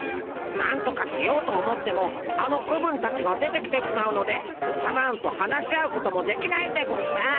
なんとかしようと思ってもあの子分たちが出てきてしまうのでおじゃマーンと話し合うこともできないんでゴンス。